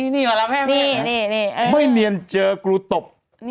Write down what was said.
นี่มาแล้วแม่ไม่เนียนเจอกรูตบ